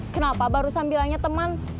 kenapa barusan bilangnya temen